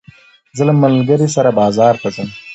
زه له ملګري سره بازار ته ځم.